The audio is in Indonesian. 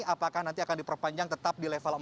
apakah nanti akan diperpanjang tetap di level empat